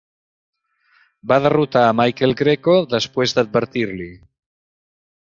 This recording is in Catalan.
Va derrotar a Michael Greco després d'advertir-li.